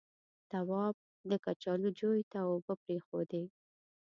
تواب د کچالو جويې ته اوبه پرېښودې.